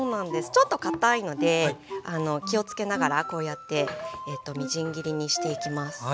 ちょっとかたいので気をつけながらこうやってみじん切りにしていきます。